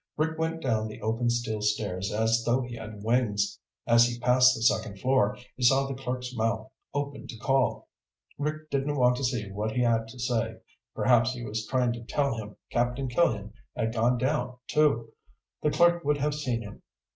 Rick went down the open steel stairs as though he had wings. As he passed the second floor, he saw the clerk's mouth open to call. Rick didn't wait to see what he had to say. Perhaps he was trying to tell him Captain Killian had gone down, too. The clerk would have seen him.